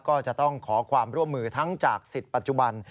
ก็จะต้องขอความร่วมมือทั้งจากสิทธิ์ปัจจุบัน